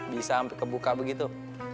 bisa sampe kebuka begitu